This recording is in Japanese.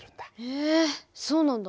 へえそうなんだ。